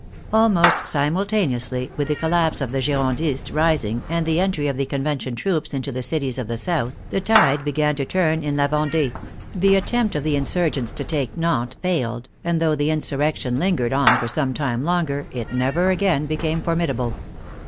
Almost simultaneously with the collapse of the Giron dist rising and the entry of the Convention troops into the cities of the south, the tide began to turn in La Vendee; the attempt of the insurgents to take Nantes failed, and though the insurrection lingered on for some 71 72 THE FRENCH REVOLUTION time longer it never again became formidable.